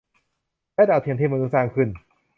และดาวเทียมที่มนุษย์สร้างขึ้น